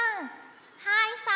はいさい。